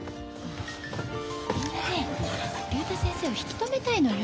みんなね竜太先生を引き止めたいのよ。